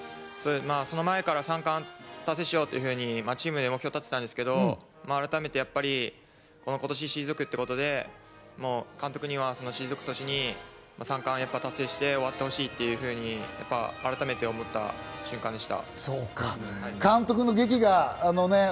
その前から三冠達成しようと、チームで目標を立てたんですけど、改めて今年、退くってことで、監督には退く年に三冠を達成して終わってほしいというふうに改めて思った瞬間でした。